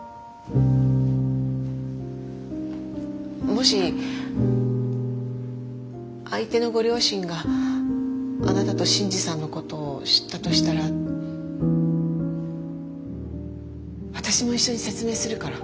もし相手のご両親があなたと信爾さんのことを知ったとしたら私も一緒に説明するから。